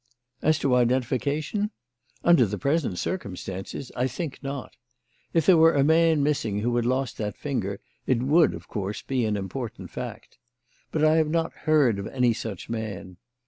"As to identification? Under the present circumstances, I think not. If there were a man missing who had lost that finger it would, of course, be an important fact. But I have not heard of any such man.